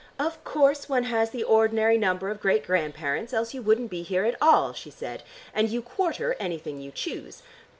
"Of course one has the ordinary number of great grandparents, else you wouldn't be here at all," she said, "and you quarter anything you choose.